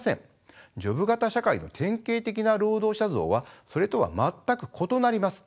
ジョブ型社会の典型的な労働者像はそれとは全く異なります。